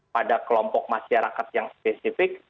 pada kelompok masyarakat yang spesifik